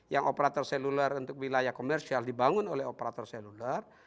yang operator seluler untuk wilayah komersial dibangun oleh operator seluler